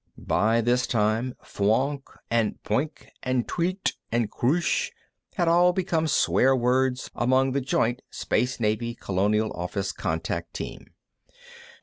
By this time, fwoonk and pwink and tweelt and kroosh had become swear words among the joint Space Navy Colonial Office contact team.